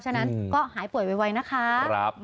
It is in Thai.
ฉะนั้นก็หายป่วยไวนะคะ